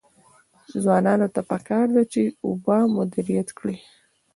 ځوانانو ته پکار ده چې، اوبه مدیریت کړي.